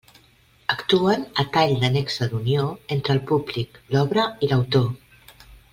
Actuen a tall de nexe d'unió entre el públic, l'obra i l'autor.